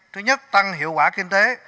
thứ nhất tăng hiệu quả kinh tế